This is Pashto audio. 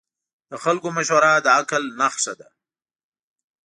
د خلکو مشوره د عقل نښه ده.